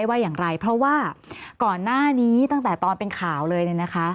กดเห็นในนี้ตั้งแต่ตอนเป็นข่าวเลยนะคะ